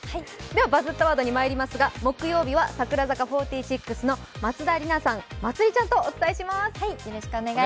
では「バズったワード」にまいりますが松田里奈さん、まつりちゃんとお伝えします。